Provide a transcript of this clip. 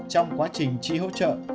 trong quá trình chi hỗ trợ